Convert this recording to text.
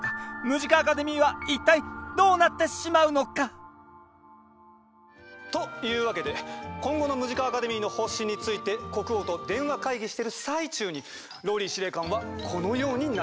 ムジカ・アカデミーは一体どうなってしまうのか？というわけで今後のムジカ・アカデミーの方針について国王と電話会議してる最中にＲＯＬＬＹ司令官はこのようになりました。